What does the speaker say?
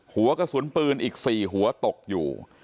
หัวกระสุนปืนอีก๔หัวตกอยู่